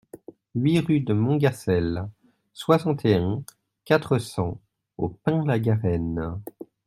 huit rue de Montgacel, soixante et un, quatre cents au Pin-la-Garenne